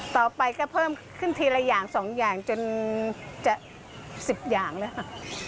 ต่อไปก็เพิ่มขึ้นทีละอย่าง๒อย่างจนจะ๑๐อย่างเลยค่ะ